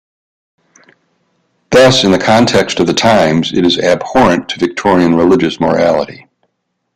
Thus, in the context of the times, it is abhorrent to Victorian religious morality.